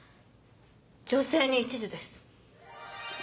女性に一途です。